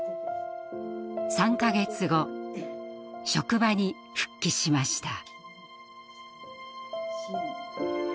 ３か月後職場に復帰しました。